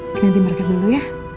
kinanti mereka dulu ya